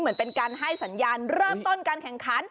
เหมือนเป็นการให้สัญญาณเริ่มต้นการแข่งขัน